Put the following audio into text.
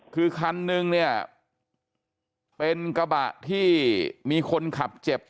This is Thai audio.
คือคันนึงเนี่ยเป็นกระบะที่มีคนขับเจ็บ